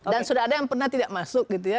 dan sudah ada yang pernah tidak masuk gitu ya